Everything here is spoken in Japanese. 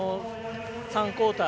３クオーター